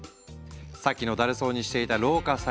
さっきのだるそうにしていた老化細胞。